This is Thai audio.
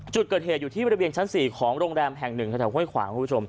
จุดเกิดเหตุอยู่ที่บริเวณชั้น๔ของโรงแรมแห่ง๑ในแถวข้างขวาง